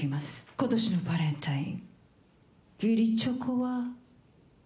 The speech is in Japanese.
今年のバレンタイン義理チョコは。